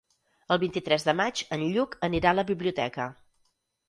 El vint-i-tres de maig en Lluc anirà a la biblioteca.